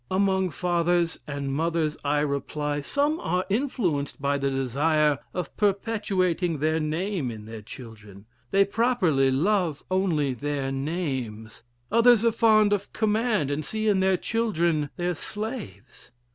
Among fathers and mothers, I reply, some are influenced by the desire of perpetuating their name in their children; they properly love only their names; others are fond of command, and see in their children their slaves.